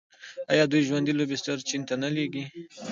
آیا دوی ژوندي لوبسټر چین ته نه لیږي؟